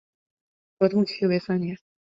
合同期为三年。